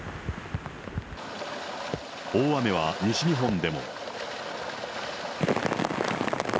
大雨は西日本でも。